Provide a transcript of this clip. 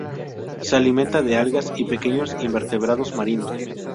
Se alimenta, de algas y pequeños invertebrados marinos.